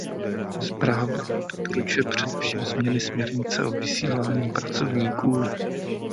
Zpráva doporučuje především změny směrnice o vysílání pracovníků.